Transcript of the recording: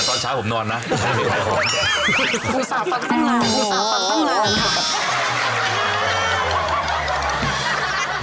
ขู้สาธารฟังตั้งแลนคก